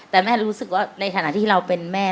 แต่แม่รู้สึกว่าในฐานะที่เราเป็นแม่